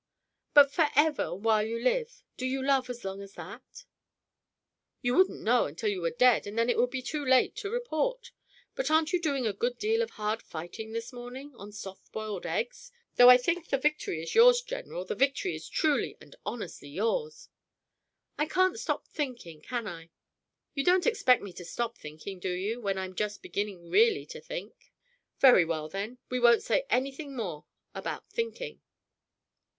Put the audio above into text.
"But forever while you live do you love as long as that?" "You wouldn't know until you were dead and then it would be too late to report. But aren't you doing a good deal of hard fighting this morning, on soft boiled eggs, though I think the victory is yours, General, the victory is truly and honestly yours!" "I can't stop thinking, can I? You don't expect me to stop thinking, do you, when I'm just beginning really to think?" "Very well, then, we won't say anything more about thinking."